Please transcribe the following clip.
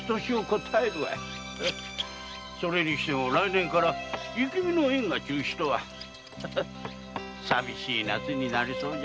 それにしても来年から雪見の宴が中止とはさびしい夏になりそうじゃのう。